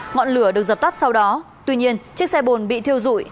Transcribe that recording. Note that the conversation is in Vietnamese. ngọn lửa được dập tắt sau đó tuy nhiên chiếc xe bồn bị thiêu dụi